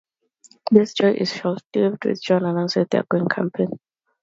This joy is short-lived once Jon announces that they're going camping.